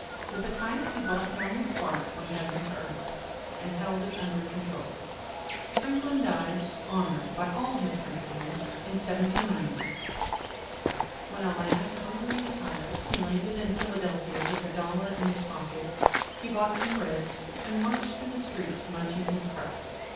With a kite he brought down the spark from heaven to earth, and held it under control. Franklin died, honored by all his countrymen, in 1790. [Illustration: FRANKLIN AND HIS LOAF OF BREAD.] When a lad, hungry and tired, he landed in Philadelphia with a dollar in his pocket, he bought some bread, and marched through the streets munching his crust.